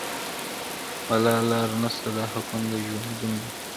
بله لار نسته دا حکم د ژوندون دی -